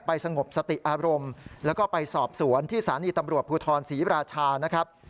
สงบสติอารมณ์แล้วก็ไปสอบสวนที่สถานีตำรวจภูทรศรีราชานะครับ